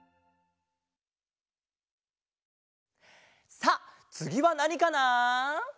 さあつぎはなにかな？